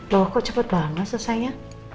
bahwa kok cepet banget selesainya